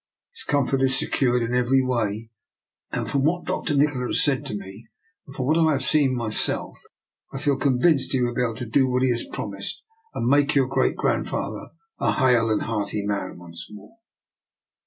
His comfort is secured in every way; and from what Dr. Nikola has said to me, and from what I have seen myself, I feel convinced he will be able to do what he has promised and make your great grandfa ther a hale and hearty man once more."